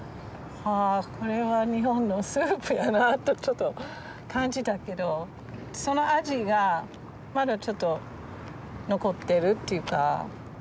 これは日本のスープやなあとちょっと感じたけどその味がまだちょっと残ってるっていうか。